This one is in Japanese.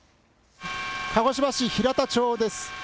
鹿児島市平田町です。